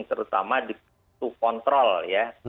terutama di satu kontrol ya